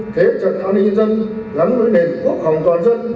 thế trận an ninh nhân dân gắn với nền quốc phòng toàn dân